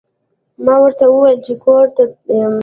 ما ورته وویل چې کور ته یم.